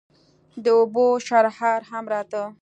د اوبو شرهار هم راته.